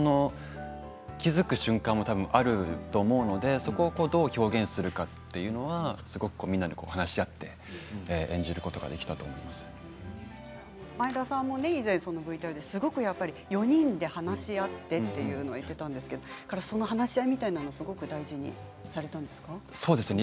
気付く瞬間もあると思うのでそこをどう表現するかというのはすごくみんなで話し合って前田さんも以前ＶＴＲですごく４人で話し合ってと言っていたんですけれどもその話し合いみたいなのをすごく大事にされたんですか？